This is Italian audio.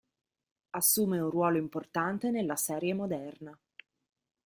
Assume un ruolo importante nella serie moderna.